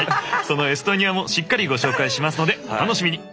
そのエストニアもしっかりご紹介しますのでお楽しみに！